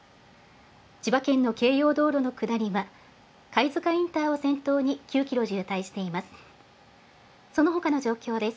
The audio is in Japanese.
千葉県の京葉道路の下りは、貝塚インターを先頭に９キロ渋滞しています。